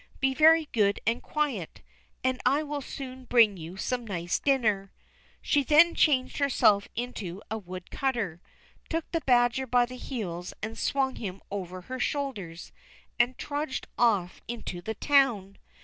Be very good and quiet, and I will soon bring you some nice dinner." She then changed herself into a wood cutter, took the badger by the heels and swung him over her shoulders, and trudged off into the town.